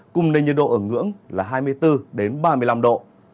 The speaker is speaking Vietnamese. cùng nền nhiệt độ ở ngưỡng là hai mươi bốn ba mươi năm độ